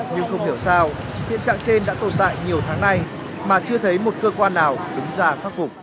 nhưng không hiểu sao hiện trạng trên đã tồn tại nhiều tháng nay mà chưa thấy một cơ quan nào đứng ra khắc phục